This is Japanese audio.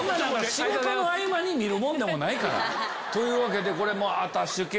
仕事の合間に見るもんでもないから。というわけで。